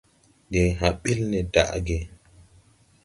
Ndi hay hã bil ne daʼge.